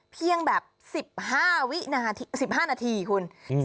เพียงแบบสิบห้าวินาทีสิบห้านาทีคุณอืม